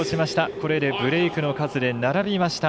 これでブレークの数で並びました。